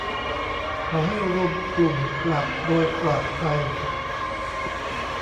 ขอให้รวมกลุ่มกลับโดยปลอดภัย